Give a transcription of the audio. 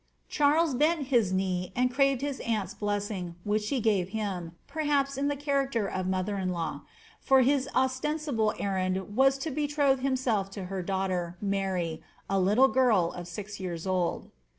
Charles bent his knee and craved his aunt's blessing, which she gave him, perhaps, in the character of mother in law, for his ostensible enand was to betroth himself with her daughter, Mary, a little girl of six years old.